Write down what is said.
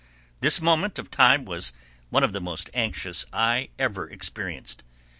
This moment of time was one of the most anxious I ever experienced.